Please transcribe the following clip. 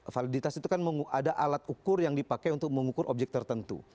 validitas itu kan ada alat ukur yang dipakai untuk mengukur objek tertentu